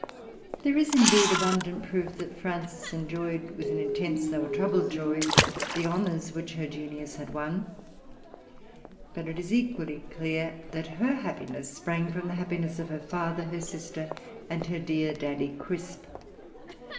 There is, indeed, abundant proof that Frances enjoyed with an intense, though a troubled, joy the honors which her genius had won; but it is equally clear that her happiness sprang from the happiness of her father, her sister, and her dear Daddy Crisp.